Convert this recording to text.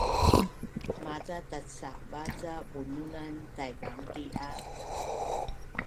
Maca tatsaba ca bunun an Taivang ti a